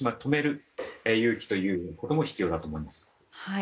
そういう勇気ということも必要だと思います。